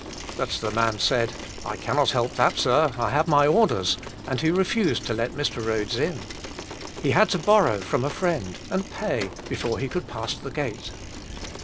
" But the man said, *' I cannot 58 Jesus Himself. help thfeit, sir, I have my orders, " and he refused to let Mr. Rhodes in. He had to borrow from a friend, and pay before he could pass the gate.